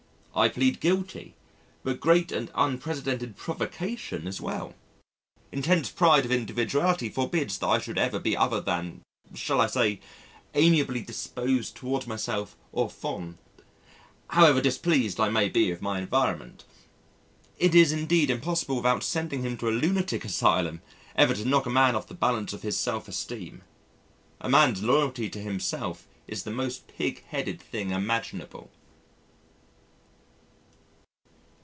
I plead guilty, but great and unprecedented provocation as well. Intense pride of individuality forbids that I should ever be other than, shall I say, amiably disposed towards myself au fond, however displeased I may be with my environment. It is indeed impossible without sending him to a lunatic asylum ever to knock a man off the balance of his self esteem.... A man's loyalty to himself is the most pig headed thing imaginable.